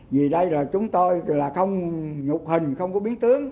vì đây là chúng tôi là không nhục hình không có biến tướng